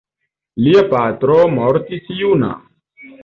Lia patro mortis juna.